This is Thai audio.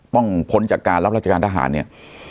พ้นจากการรับราชการทหารเนี่ย